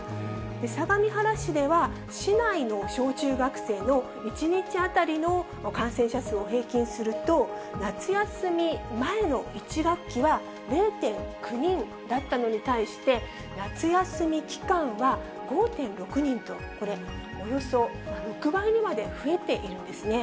相模原市では、市内の小中学生の１日当たりの感染者数を平均すると、夏休み前の１学期は０．９人だったのに対して、夏休み期間は５．６人と、これ、およそ６倍にまで増えているんですね。